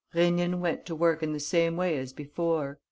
Rénine went to work in the same way as before.